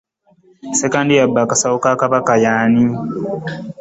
Ssekandi eyabba aksawo ka Kabaka Y'ani ?